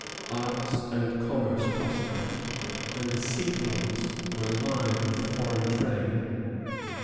Arts and commerce prospered, and the seaports were alive with foreign trade.